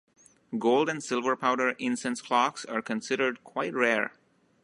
Gold and silver powder incense clocks are considered quite rare.